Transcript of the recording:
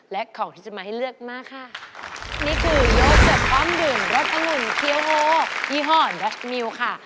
และของที่จะมาให้เลือกมาค่ะ